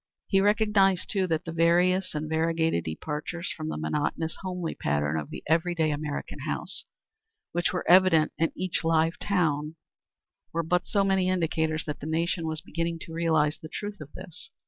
He recognized too that the various and variegated departures from the monotonous homely pattern of the every day American house, which were evident in each live town, were but so many indicators that the nation was beginning to realize the truth of this.